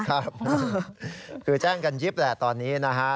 ครับคือแจ้งกันยิบแหละตอนนี้นะฮะ